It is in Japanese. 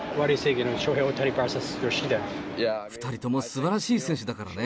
２人ともすばらしい選手だからね。